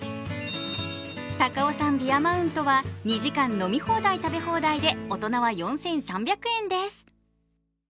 高尾山ビアマウントは２時間飲み放題・食べ放題で大人は４３００円です。